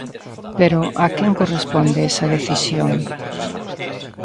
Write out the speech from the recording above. Pero, a quen corresponde esa decisión?